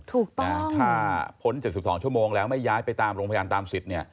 ถ้าผล๗๒ชั่วโมงแล้วไม่ย้ายไปตามโรงพยาบาลตามสิทธิ์